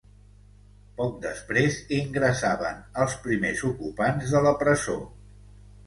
Poc després ingressaven els primers ocupants de la presó.